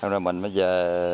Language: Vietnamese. rồi mình mới về